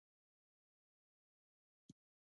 حزبیان د شورا نظار اصلي مخالفین دي.